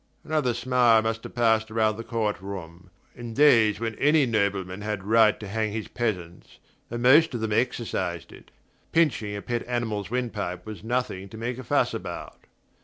Another smile must have passed around the court room: in days when any nobleman had a right to hang his peasants and most of them exercised it pinching a pet animal's wind pipe was nothing to make a fuss about.